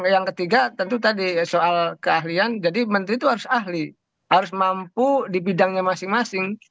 yang ketiga tentu tadi soal keahlian jadi menteri itu harus ahli harus mampu di bidangnya masing masing